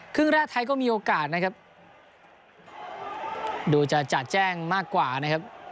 ครึ่งแรกไทยก็มีโอกาสนะครับดูจะจัดแจ้งมากกว่านะครับ